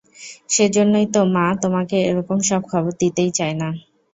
সেইজন্যই তো মা, তোমাকে এরকম সব খবর দিতেই চাই না।